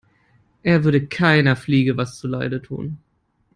Er würde keiner Fliege was zu Leide tun.